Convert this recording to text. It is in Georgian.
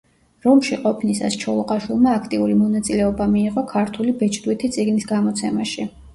რომში ყოფნისას ჩოლოყაშვილმა აქტიური მონაწილეობა მიიღო ქართული ბეჭდვითი წიგნის გამოცემაში.